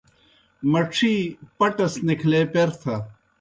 مڇِھی پٹَس نِکھلے پیر تھہ۔